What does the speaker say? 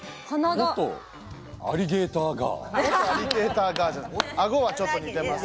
元アリゲーターガー。